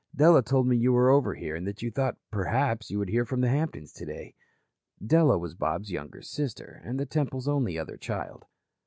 Della told me you were over here and that you thought, perhaps, you would hear from the Hamptons today." Della was Bob's younger sister, and the Temples' only other child.